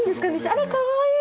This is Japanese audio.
あらかわいい！